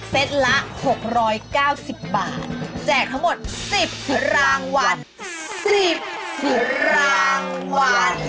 ตละ๖๙๐บาทแจกทั้งหมด๑๐รางวัล๑๐รางวัล